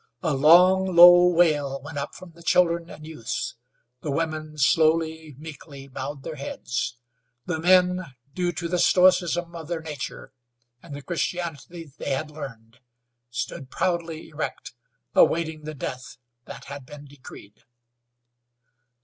A long, low wail went up from the children and youths; the women slowly, meekly bowed their heads. The men, due to the stoicism of their nature and the Christianity they had learned, stood proudly erect awaiting the death that had been decreed.